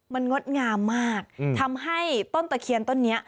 มันงดงามมากทำให้ต้นตะเคียนต้นนี้